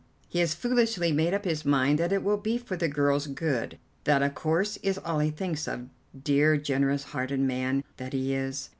He has foolishly made up his mind that it will be for the girl's good. That, of course, is all he thinks of, dear, generous hearted man that he is!